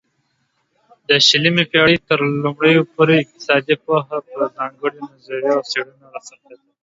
د شلمې پيړۍ ترلومړيو پورې اقتصادي پوهه په ځانگړيو نظريو او څيړنو را څرخيده